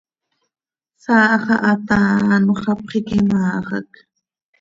Saa xaha taa anxö hapx iiquim áa xac.